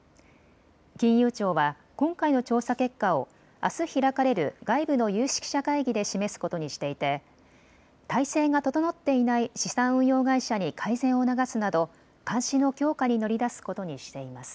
金融庁は今回の調査結果をあす開かれる外部の有識者会議で示すことにしていて態勢が整っていない資産運用会社に改善を促すなど監視の強化に乗り出すことにしています。